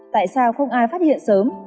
tại sao không ai phát hiện sớm